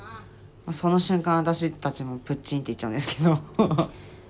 その瞬間私たちもプッチンっていっちゃうんですけど。